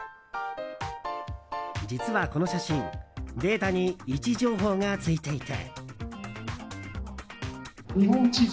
実は、この写真データに位置情報がついていて。